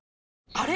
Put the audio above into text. あれ？